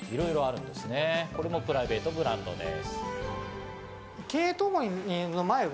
こんなプライベートブランドです。